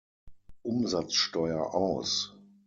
Umsatzsteuer aus.